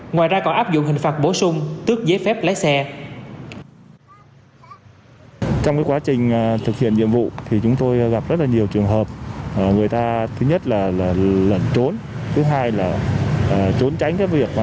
ngoài ra còn áp dụng hình phạt bổ sung tước giấy phép lái xe